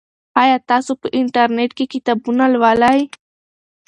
آیا تاسو په انټرنیټ کې کتابونه لولئ؟